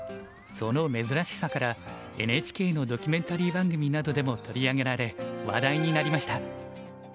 その珍しさからＮＨＫのドキュメンタリー番組などでも取り上げられ話題になりました。